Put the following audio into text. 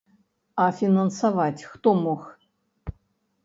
А фінансаваць хто мог?